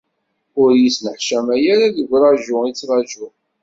Ur iyi-sneḥcamay ara deg uraǧu i ttraǧuɣ.